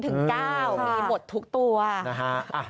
ตั้งแต่๐๙มีหมดทุกตัว